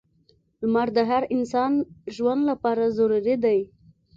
• لمر د هر انسان ژوند لپاره ضروری دی.